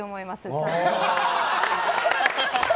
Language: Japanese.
ちゃんと。